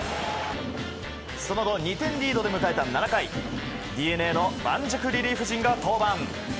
その後、２点リードで迎えた７回ＤｅＮＡの盤石リリーフ陣が登板。